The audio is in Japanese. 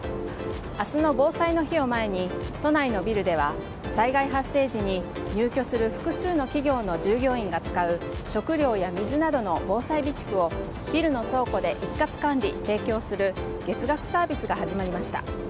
明日の防災の日を前に都内のビルでは災害発生時に入居する複数の企業の従業員が使う食料や水などの防災備蓄をビルの倉庫で一括管理・提供する月額サービスが始まりました。